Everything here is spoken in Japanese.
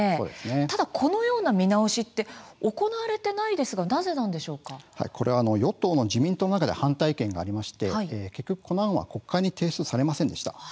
ただ、このような見直しは行われていないですが与党の自民党の中で反対意見がありまして結局この案は国会に提出されませんでした。